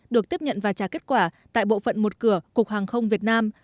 được tiếp nhận và trả kết quả tại bộ phận một cửa cục hàng không việt nam